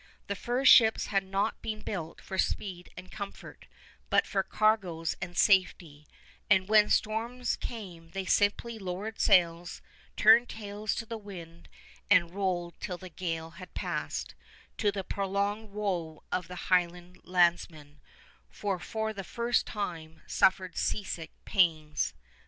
The fur ships had not been built for speed and comfort, but for cargoes and safety, and when storms came they simply lowered sails, turned tails to the wind, and rolled till the gale had passed, to the prolonged woe of the Highland landsmen, who for the first time suffered seasick pangs.